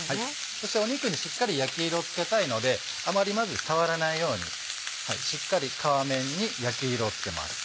そして肉にしっかり焼き色をつけたいのであまり触らないようにしっかり皮面に焼き色をつけます。